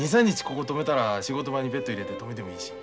ここ泊めたら仕事場にベッド入れて泊めてもいいし。